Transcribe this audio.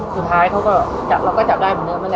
สุดท้ายเขาก็จับเราก็จับได้เหมือนเดิม